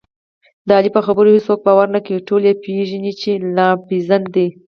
د علي په خبرو هېڅوک باور نه کوي، ټول یې پېژني چې لافزن دی.